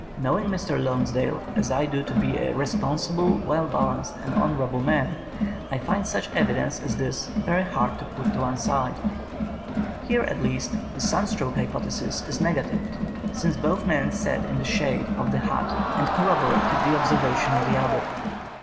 Knowing Mr. Lonsdale as I do to be a responsible, well balanced, and honourable man, I find such evidence as this very hard to put to one side. Here at least the sun stroke hypothesis is negatived, since both men sat in the shade of the hut and corroborated the observation of the other.